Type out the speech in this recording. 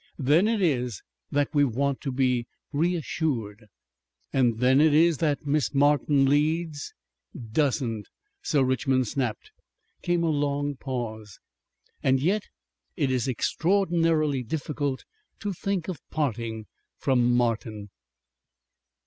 Then it is that we want to be reassured." "And then it is that Miss Martin Leeds ?" "Doesn't," Sir Richmond snapped. Came a long pause. "And yet It is extraordinarily difficult to think of parting from Martin."